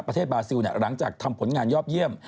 ประเทศบาซิลเนี่ยหลังจากทำผลงานยอบเยี่ยม